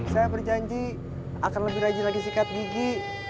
saya berjanji akan lebih rajin lagi sikat gigi